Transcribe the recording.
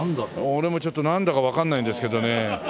俺もちょっとなんだかわかんないんですけどね。